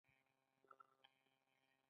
دا مصونیت د برخلیک پر وړاندې اړین دی.